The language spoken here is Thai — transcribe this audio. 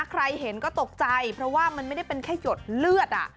ใครเห็นก็ตกใจเพราะว่ามันไม่ได้เป็นแค่หยดเลือด